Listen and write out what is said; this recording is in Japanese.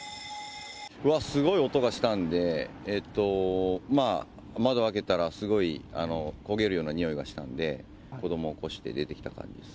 すごい音がしたんで、窓開けたらすごい焦げるようなにおいがしたんで、子どもを起こして出てきた感じです。